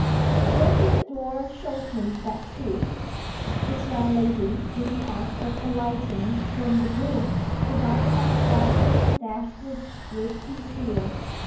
The opened door showed him that truth this young lady in the act of alighting from the brougham provided by Basil Dashwood's thrifty zeal.